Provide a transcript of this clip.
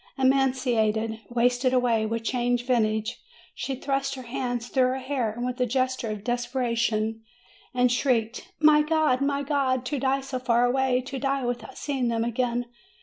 Emaciated, wasted away, with changed visage, she thrust her hands through her hair, with a gesture of desperation, and shrieked : "My God! My God! To die so far away, to die without seeing them again!